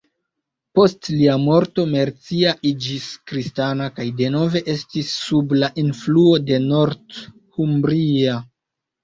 Post lia morto Mercia iĝis kristana, kaj denove estis sub la influo de Northumbria.